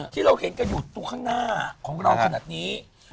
ที่เราเห็นกันอยู่ตรงข้างหน้าของเราขนาดนี้